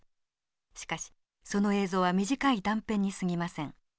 しかしその映像は短い断片にすぎません。